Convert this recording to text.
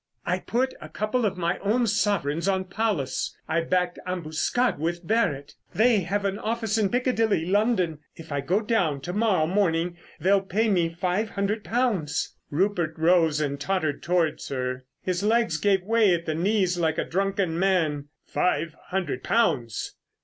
"I put a couple of my own sovereigns on Paulus. I backed Ambuscade with Barrett. They have an office in Piccadilly, London. If I go down to morrow morning they'll pay me five hundred pounds." Rupert rose and tottered towards her. His legs gave way at the knees like a drunken man. "Five hundred pounds!"